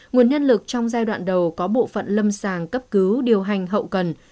nguồn nhân lực trong giai đoạn đầu có bộ phận lâm sàng cấp cứu điều hành hậu cần